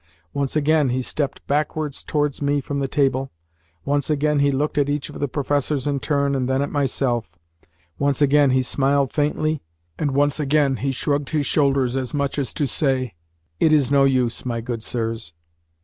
Once again, he stepped backwards towards me from the table, once again he looked at each of the professors in turn and then at myself, once again he smiled faintly, and once again he shrugged his shoulders as much as to say, "It is no use, my good sirs."